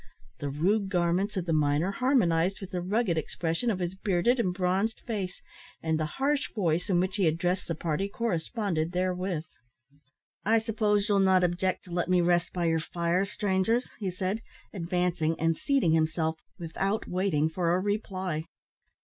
The rude garments of the miner harmonised with the rugged expression of his bearded and bronzed face, and the harsh voice in which he addressed the party corresponded therewith. "I s'pose ye'll not object to let me rest by yer fire, strangers?" he said, advancing and seating himself without waiting for a reply.